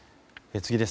次です。